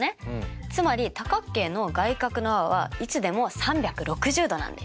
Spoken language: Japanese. つまり多角形の外角の和はいつでも３６０°なんです。